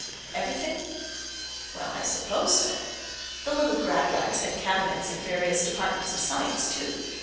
Everything? Well, I suppose so. The little Gradgrinds had cabinets in various departments of science too.